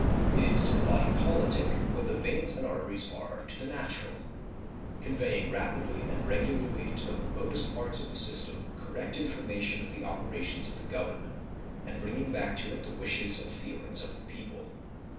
It is to the body politic what the veins and arteries are to the natural conveying rapidly and regularly to the remotest parts of the system correct information of the operations of the Government, and bringing back to it the wishes and feelings of the people.